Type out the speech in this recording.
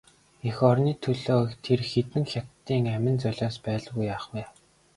Эх орны төлөө тэр хэдэн хятадын амин золиос байлгүй яах вэ?